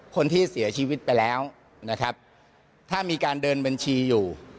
คนที่เสียชีวิตไปแล้วนะครับถ้ามีการเดินบัญชีอยู่